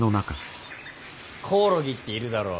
コオロギっているだろ。